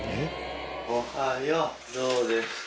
おはようどうですか？